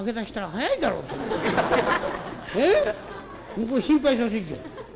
向こうを心配させんじゃねえか。